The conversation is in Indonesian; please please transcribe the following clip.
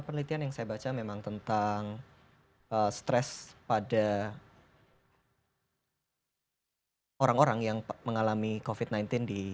penelitian yang saya baca memang tentang stres pada orang orang yang mengalami covid sembilan belas di